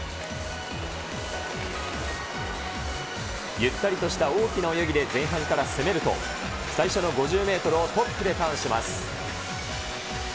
ゆったりとした大きな泳ぎで前半から攻めると、最初の５０メートルをトップでターンします。